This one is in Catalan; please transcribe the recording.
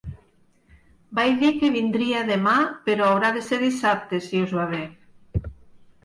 Vaig dir que vindria demà però haurà de ser dissabte, si us va bé.